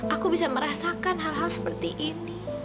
aku bisa merasakan hal hal seperti ini